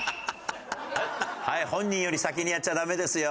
「はい本人より先にやっちゃダメですよ」。